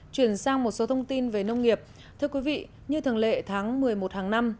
chuyển sang một số thông tin về nông nghiệp thưa quý vị như thường lệ tháng một mươi một hàng năm